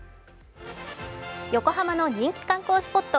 横浜の人気観光スポット